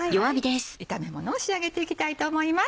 炒めものを仕上げていきたいと思います。